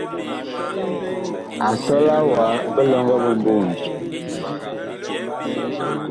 A sɔla wa bilɔŋgɔ mboonji.